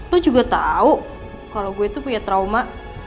lo juga tau kalo gue tuh punya trauma